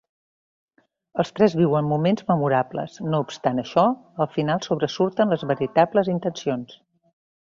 Els tres viuen moments memorables, no obstant això, al final sobresurten les veritables intencions.